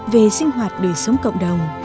về sinh hoạt đời sống cộng đồng